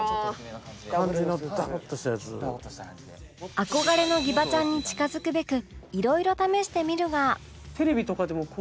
憧れのギバちゃんに近付くべくいろいろ試してみるが